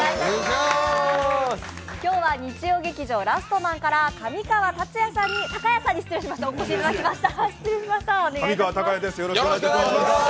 今日は日曜劇場「ラストマン」から上川隆也さんにお越しいただきました。